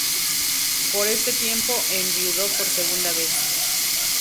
Por este tiempo enviudó por segunda vez.